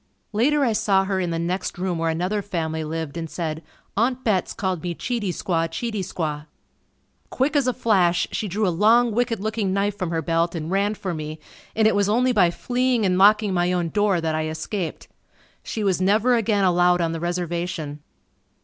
Later I saw her in the next room where another family lived and said, "Aunt Betts called me, Cheatey Squaw, Cheatey Squaw." Quick as a flash she drew a long wicked looking knife from her belt and ran for me and it was only by fleeing and locking my own door that I escaped. She was never again allowed on the reservation.